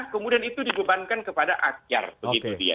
kemudian itu dibebankan kepada akyar begitu dia